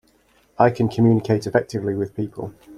I can communicate effectively with people.